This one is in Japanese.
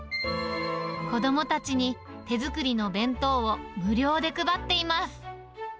子どもたちに手作りの弁当を無料で配っています。